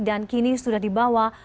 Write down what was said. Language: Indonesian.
dan kini sudah dibawa